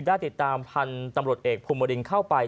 ได้ติดตามพันธุ์ตำรวจเอกภูมิบรินเข้าไป